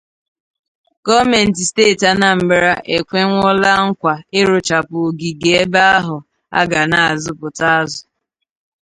Gọọmenti steeti Anambra ekwenwòóla nkwà ịrụchapụ ogige ebe ahụ a ga na-azụpụta azụ